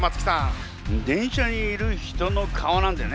電車にいる人の顔なんてね